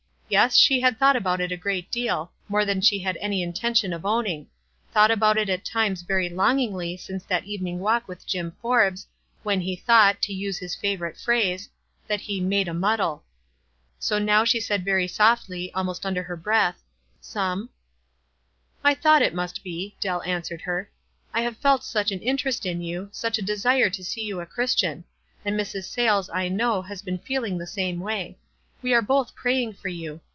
Yes, she had thought about it a great deal, more than she had any intention of owning — thought about it at times very longingly since that even ing walk with Jim Forbes, when he thought, to use his favorite phrase, that he "made a mud dle." So now she said very softly, almost under her breath, — "Some." "I thought it must be," Dell answered her. "I have felt such an interest in you, such a de sire to see you a Christian ; and Mrs. Sayles, I know, has been feeling in the same way. "We are both praying for you.